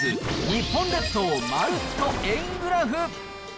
日本列島まるっと円グラフ。